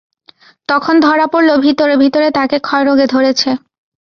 তখন ধরা পড়ল ভিতরে ভিতরে তাকে ক্ষয়রোগে ধরেছে।